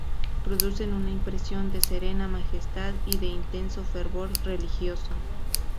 Producen una impresión de serena majestad y de intenso fervor religioso.